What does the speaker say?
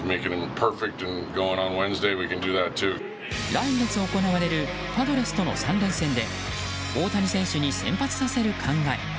来月行われるパドレスとの３連戦で大谷選手に先発させる考え。